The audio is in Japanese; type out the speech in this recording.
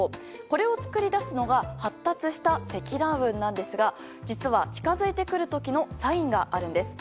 これを作り出すのが発達した積乱雲なんですが実は、近づいてくる時のサインがあるんです。